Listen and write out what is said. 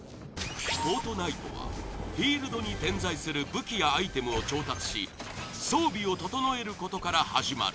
『フォートナイト』はフィールドに点在する武器やアイテムを調達し装備を整えることから始まる。